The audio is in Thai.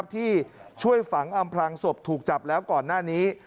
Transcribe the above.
ที่ช่วยฝังอำพลังศพถูกจับแล้วก่อนหน้านี้